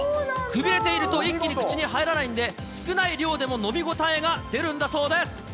くびれていると、一気に口に入らないんで、少ない量でも飲み応えが出るんだそうです。